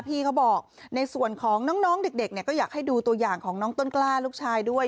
พี่เขาบอกในส่วนของน้องเด็กก็อยากให้ดูตัวอย่างของน้องต้นกล้าลูกชายด้วย